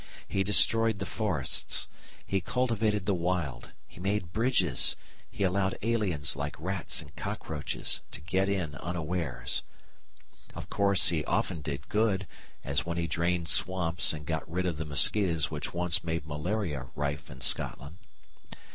He destroyed the forests, he cultivated the wild, he made bridges, he allowed aliens, like rats and cockroaches, to get in unawares. Of course, he often did good, as when he drained swamps and got rid of the mosquitoes which once made malaria rife in Scotland.